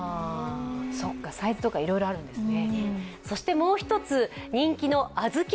そっか、サイズとかいろいろあるんですね。